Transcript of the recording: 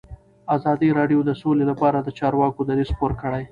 ازادي راډیو د سوله لپاره د چارواکو دریځ خپور کړی.